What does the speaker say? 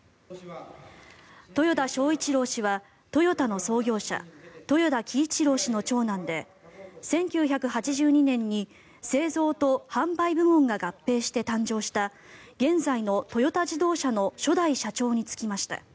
豊田章一郎氏はトヨタの創業者豊田喜一郎氏の長男で１９８２年に製造と販売部門が合併して誕生した現在のトヨタ自動車の初代社長に就きました。